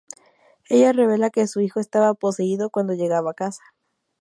Ella revela que su hijo estaba poseído cuando llegaba a casa.